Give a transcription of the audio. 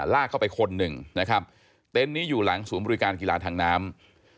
ลากเข้าไปคนหนึ่งนะครับเต็นต์นี้อยู่หลังศูนย์บริการกีฬาทางน้ำ